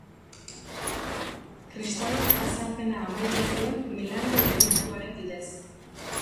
Kristauen jazarpena amaitu zuen Milango Ediktuaren bidez.